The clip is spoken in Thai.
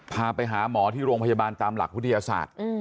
พาไปหาหมอที่โรงพยาบาลตามหลักวิทยาศาสตร์